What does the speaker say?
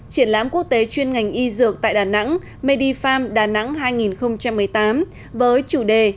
triển lãm quốc tế chuyên ngành y dược tại đà nẵng medifarm đà nẵng hai nghìn một mươi tám với chủ đề